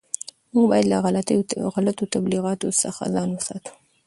موږ باید له غلطو تبلیغاتو څخه ځان وساتو.